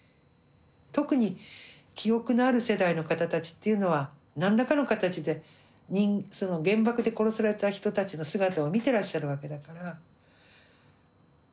特に記憶のある世代の方たちっていうのは何らかの形でその原爆で殺された人たちの姿を見てらっしゃるわけだから。